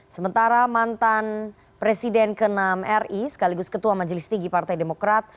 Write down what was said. sementara mantan presiden ke enam ri sekaligus ketua majelis tinggi partai demokrat